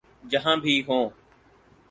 جہاں بھی ہوں۔